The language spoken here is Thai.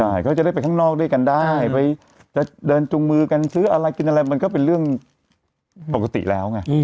ใช่เขาจะได้ไปข้างนอกด้วยกันได้ไปจะเดินจุงมือกันซื้ออะไรกินอะไรมันก็เป็นเรื่องปกติแล้วไง